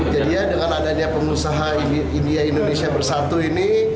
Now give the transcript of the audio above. jadi ya dengan adanya pengusaha india indonesia bersatu ini